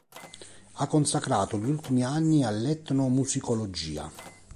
Ha consacrato gli ultimi anni all'etnomusicologia.